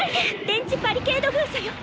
電磁バリケード封鎖よ！